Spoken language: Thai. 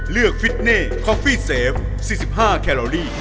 ฟิตเน่คอฟฟี่เซฟ๔๕แคลอรี่